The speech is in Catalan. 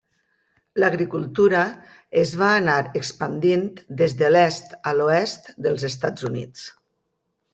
L'agricultura es va anar expandint des de l'est a l'oest dels Estats Units.